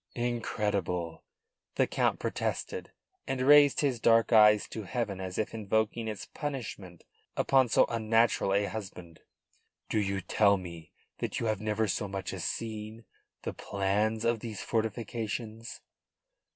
"Incredible!" the Count protested, and raised his dark eyes to heaven as if invoking its punishment upon so unnatural a husband. "Do you tell me that you have never so much as seen the plans of these fortifications?"